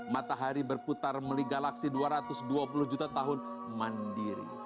matahari berputar meligalaksi dua ratus dua puluh juta tahun mandiri